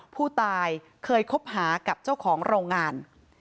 ผู้ตายเคยคบหากับเจ้าของโรงงาน